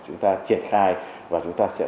chúng ta triển khai và chúng ta sẽ